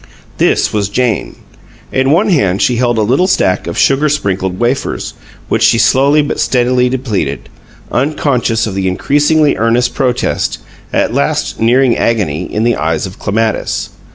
This was Jane. In one hand she held a little stack of sugar sprinkled wafers, which she slowly but steadily depleted, unconscious of the increasingly earnest protest, at last nearing agony, in the eyes of Clematis.